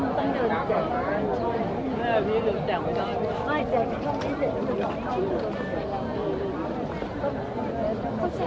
มันเป็นสิ่งที่จะให้ทุกคนรู้สึกว่ามันเป็นสิ่งที่จะให้ทุกคนรู้สึกว่า